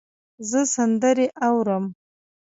زه سندرې اورم